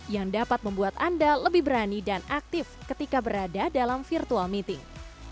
yang dapat membuat anda lebih berani dan aktif ketika berada dalam virtual meeting